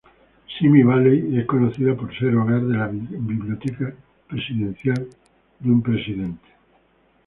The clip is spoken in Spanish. Simi Valley es conocida por ser hogar de la Biblioteca Presidencial de Ronald Reagan.